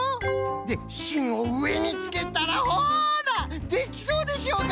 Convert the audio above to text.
でしんをうえにつけたらほらできそうでしょうが！